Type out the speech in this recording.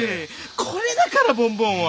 これだからボンボンは！